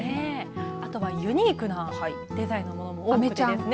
あとはユニークなデザインのものも多いんですね。